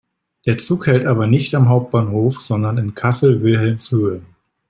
Der Zug hält aber nicht am Hauptbahnhof, sondern in Kassel-Wilhelmshöhe.